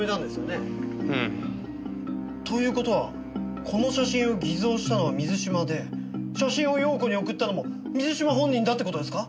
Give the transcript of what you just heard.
うん。という事はこの写真を偽造したのは水嶋で写真を容子に送ったのも水嶋本人だって事ですか？